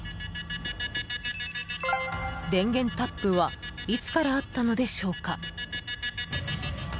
電源タップはいつからあったのでしょうか？